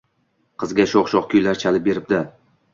Qizga sho‘x-sho‘x kuylar chalib beribdi